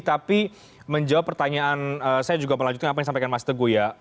tapi menjawab pertanyaan saya juga melanjutkan apa yang disampaikan mas teguh ya